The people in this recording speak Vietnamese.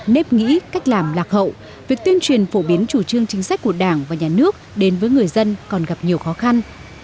nếp nghĩ cách làm lạc hậu việc tuyên truyền phổ biến chủ trương chính sách của đảng và nhà nước đến với người dân còn gặp nhiều khó khăn